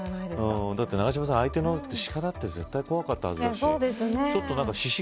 永島さん、相手のシカだって絶対、怖かったはずだし。